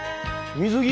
水着？